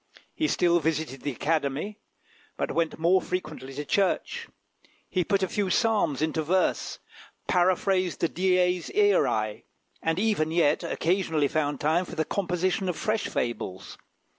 He still visited the Academy, but he went more frequently to church; he put a few psalms into verse, paraphrased the Dies Iræ, and even yet occasionally found time for the composition of fresh fables.